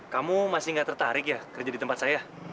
kamu masih nggak tertarik ya kerja di tempat saya